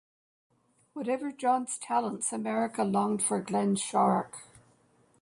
Whatever John's talents, America longed for Glenn Shorrock.